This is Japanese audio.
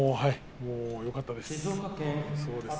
よかったです。